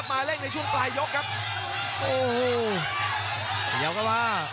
เผ้าเชือกมา